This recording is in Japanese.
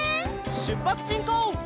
しゅっぱつしんこう！